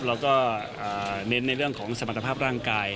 เราก็เน้นในเรื่องของสมรรถภาพร่างกาย